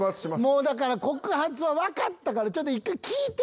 もうだから告発は分かったからちょっと一回聞いて。